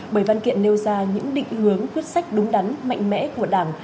bởi văn kiện nêu ra những định hướng quyết sách đúng đắn mạnh mẽ của đảng